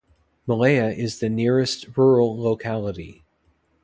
Malaya is the nearest rural locality.